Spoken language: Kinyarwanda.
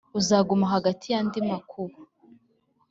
uzagumaho, hagati yandi makuba